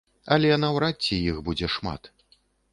Але наўрад ці іх будзе шмат.